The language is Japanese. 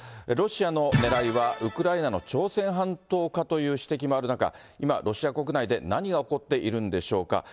ロシアのねらいは、ウクライナの朝鮮半島化という指摘もある中、今、ロシア国内で何が起こっているんでしょうか。